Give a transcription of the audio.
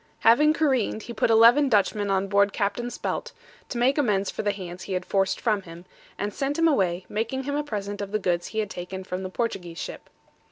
Having careened, he put 11 Dutchmen on board Capt. Spelt, to make amends for the hands he had forced from him, and sent him away, making him a present of the goods he had taken from the Portuguese ship.